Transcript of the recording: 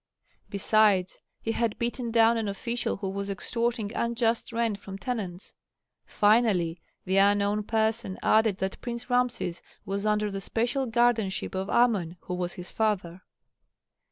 Besides, he had beaten down an official who was extorting unjust rent from tenants. Finally, the unknown person added that Prince Rameses was under the special guardianship of Amon, who was his father.